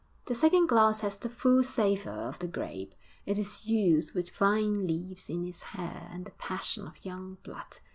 The second glass has the full savour of the grape; it is youth with vine leaves in its hair and the passion of young blood.